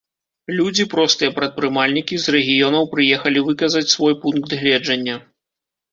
Людзі, простыя прадпрымальнікі, з рэгіёнаў, прыехалі выказаць свой пункт гледжання.